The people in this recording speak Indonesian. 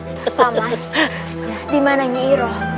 pak mas dimana nyiroh